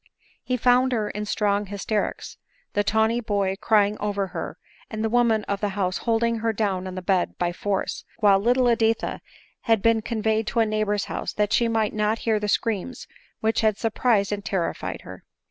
He found her in strong hysterics; the tawny boy 252 ADELINE MOWBRAY. crying over her, and the women of the house holding her down on the bed by force, while the little Editha had been conveyed to a neighbor's house, that she might not hear the screams which had surprised and terrified her.